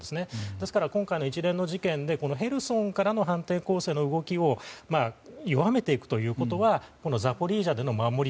ですから、今回の一連の事件でヘルソンからの反転攻勢の動きを弱めていくということがザポリージャでの守り